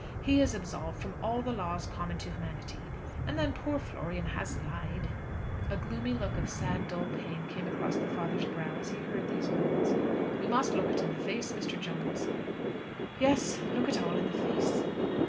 He is absolved from all the laws common to humanity. And then poor Florian has lied." A gloomy look of sad, dull pain came across the father's brow as he heard these words. "We must look it in the face, Mr. Jones." "Yes, look it all in the face."